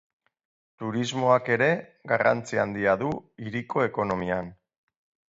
Turismoak ere garrantzi handia du hiriko ekonomian.